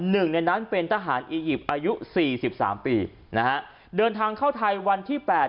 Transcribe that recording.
หนึ่งในนั้นเป็นทหารอียิปต์อายุสี่สิบสามปีนะฮะเดินทางเข้าไทยวันที่แปด